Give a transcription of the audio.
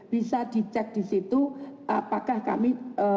bisa dicek di situ apakah kami